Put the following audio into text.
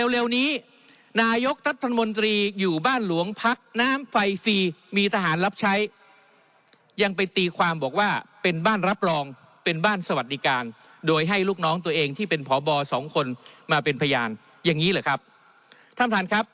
เร็วนี้นายกรัฐมนตรีอยู่บ้านหลวงพักน้ำไฟฟรีมีทหารรับใช้ยังไปตีความบอกว่าเป็นบ้านรับรองเป็นบ้านสวัสดิการโดยให้ลูกน้องตัวเองที่เป็นพบสองคนมาเป็นพยานอย่างนี้เหรอครับท่านท่านครับ